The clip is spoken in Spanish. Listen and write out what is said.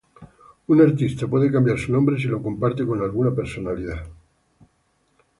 Un artista puede cambiar su nombre si lo comparte con alguna personalidad.